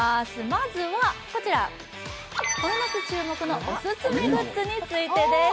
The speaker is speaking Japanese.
まずは、この夏注目のオススメグッズについてです。